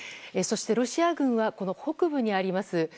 そしてロシア軍は北部にあります